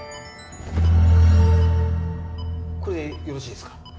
これでよろしいですか？